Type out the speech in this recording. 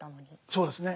そうですね。